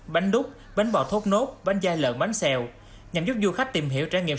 bánh đúc bánh bò thốt nốt bánh dai lợn bánh xèo nhằm giúp du khách tìm hiểu trải nghiệm